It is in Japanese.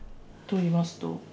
といいますと？